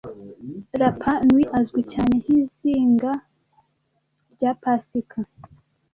Rapa Nui azwi cyane nkizinga rya pasika